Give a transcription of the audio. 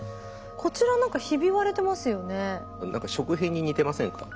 こちら何かひび割れてますよね？